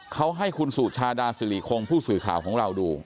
เขาให้คุณสุชาดาสิริคงผู้สื่อข่าวของเราดู